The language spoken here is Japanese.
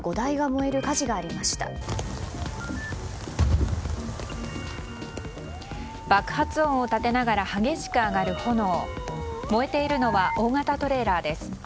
燃えているのは大型トレーラーです。